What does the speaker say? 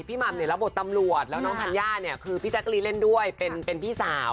หม่ำเนี่ยรับบทตำรวจแล้วน้องธัญญาเนี่ยคือพี่แจ๊กรีเล่นด้วยเป็นพี่สาว